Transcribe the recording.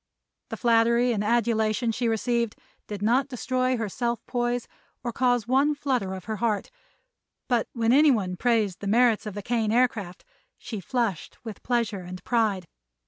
The flattery and adulation she received did not destroy her self poise or cause one flutter of her heart, but when anyone praised the merits of the Kane Aircraft, she flushed with pleasure and pride.